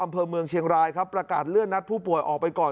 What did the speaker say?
อำเภอเมืองเชียงรายครับประกาศเลื่อนนัดผู้ป่วยออกไปก่อน